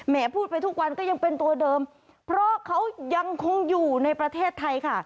พูดไปทุกวันก็ยังเป็นตัวเดิมเพราะเขายังคงอยู่ในประเทศไทยค่ะ